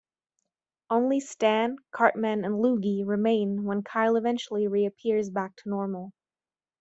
Only Stan, Cartman, and Loogie remain when Kyle eventually reappears back to normal.